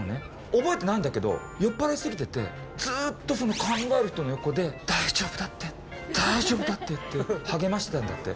覚えてないんだけどずっと、その考える人の横で大丈夫だって大丈夫だってって励ましてたんだって。